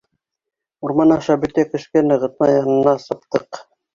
Урман аша бөтә көскә нығытма янына саптыҡ.